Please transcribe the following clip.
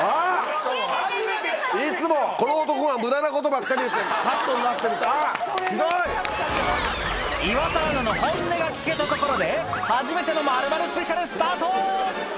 いつもこの男が無駄なことばっかり言って、カットになってるって、岩田アナの本音が聞けたところで、初めての〇〇スペシャルスタート。